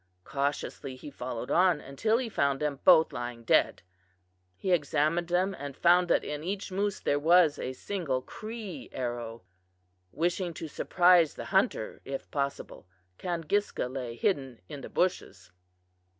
Cautiously he followed on until he found them both lying dead. He examined them and found that in each moose there was a single Cree arrow. Wishing to surprise the hunter if possible, Kangiska lay hidden in the bushes.